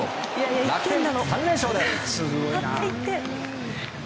楽天、３連勝です！